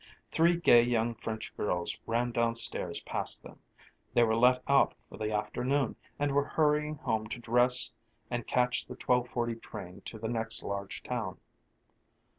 Three gay young French girls ran downstairs past them; they were let out for the afternoon and were hurrying home to dress and catch the 12:40 train to the next large town.